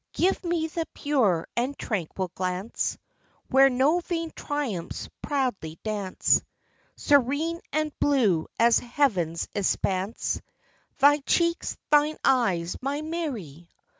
Give me the pure and tranquil glance Where no vain triumphs proudly dance, Serene and blue as heaven's expanse :— Thy cheeks, thine eyes, my Mary